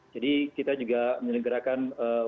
jadi kita juga menyelenggarakan workshopnya